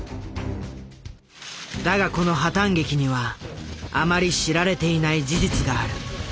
だがこの破たん劇にはあまり知られていない事実がある。